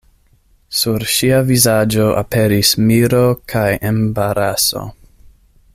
Sur ŝia vizaĝo aperis miro kaj embaraso.